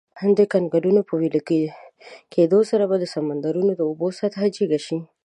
د کنګلونو په ویلي کیدو سره به د سمندرونو د اوبو سطحه جګه شي.